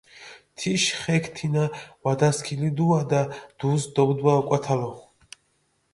თიში ხექ თინა ვადასქილიდუადა, დუს დობდვა ოკვათალო.